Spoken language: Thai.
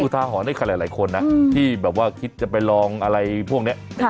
ผมว่ามันเป็นอุทาหรณ์ให้หลายคนนะที่แบบว่าคิดจะไปลองอะไรพวกนี้